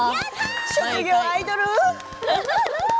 職業アイドル！